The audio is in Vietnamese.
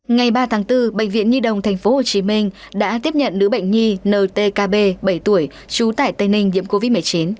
ngày ba tháng bốn bệnh viện nhi đông tp hcm đã tiếp nhận nữ bệnh nhi ntkb bảy tuổi chú tải tây ninh diễm covid một mươi chín